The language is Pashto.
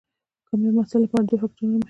د کامیاب محصل لپاره دوه فکتورونه مهم دي.